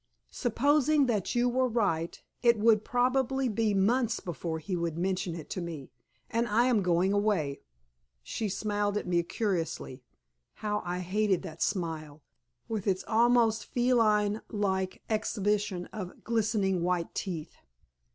Supposing that you were right, it would probably be months before he would mention it to me, and I am going away." She smiled at me curiously. How I hated that smile, with its almost feline like exhibition of glistening white teeth!